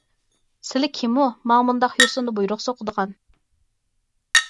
سىلى كىمۇ، ماڭا بۇنداق يوسۇندا بۇيرۇق سوقىدىغان؟